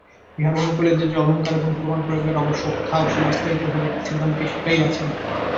ইহার অনুকূলে যে যে অলংকার এবং প্রমাণ প্রয়োগের আবশ্যক তাহাও সে বিস্তারিতভাবে ছিদামকে শিখাইয়াছিল।